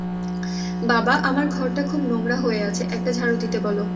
বাবা, আমার ঘরটা খুব নোংরা হয়ে আছে, একটা ঝাড়ু দিতে বলো।